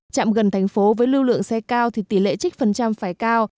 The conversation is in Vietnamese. trạm gần thành phố với lưu lượng xe cao thì tỷ lệ trích phần trăm phải cao